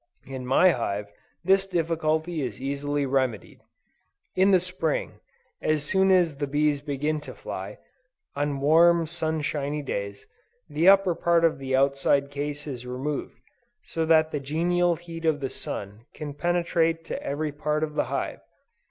In my hive, this difficulty is easily remedied. In the Spring, as soon as the bees begin to fly, on warm, sun shiny days, the upper part of the outside case is removed, so that the genial heat of the sun can penetrate to every part of the hive.